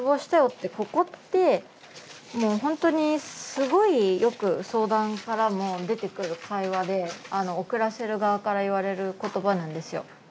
ここってもう本当にすごいよく相談からも出てくる会話で送らせる側から言われる言葉なんですよ。